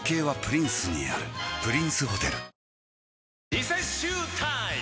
リセッシュータイム！